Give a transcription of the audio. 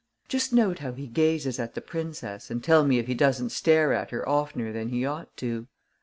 "Just note how he gazes at the princess and tell me if he doesn't stare at her oftener than he ought to."